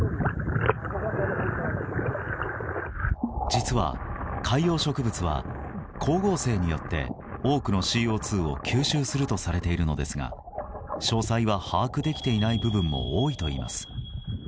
実は、海洋植物は光合成によって多くのＣＯ２を吸収するとされているのですが詳細は把握できていない部分も多いといいます。